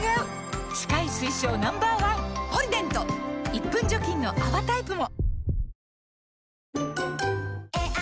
１分除菌の泡タイプも！